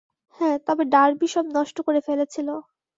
হ্যাঁ, তবে ডার্বি সব নষ্ট করে ফেলেছিলো।